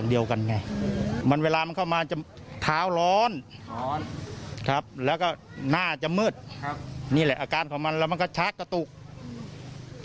นี่คุณสุภาพก็เลยพาติด้วยภรรยาหมอพลาหมอพลาด้วย